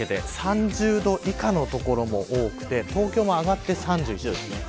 ３０度以下の所も多くて東京も上がって３１度です。